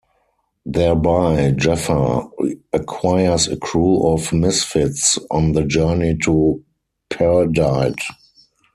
Thereby Jaffar acquires a crew of misfits on the journey to Perdide.